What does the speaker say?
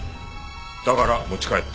だから持ち帰った。